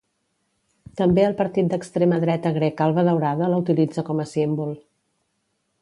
També el partit d'extrema dreta grec Alba Daurada la utilitza com a símbol.